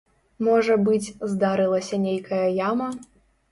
Можа быць, здарылася нейкая яма?